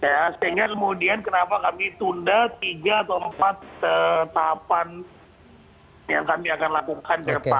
ya sehingga kemudian kenapa kami tunda tiga atau empat tahapan yang kami akan lakukan